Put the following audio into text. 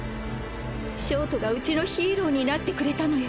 焦凍がウチのヒーローになってくれたのよ。